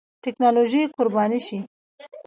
ټېکنالوژي قرباني شي.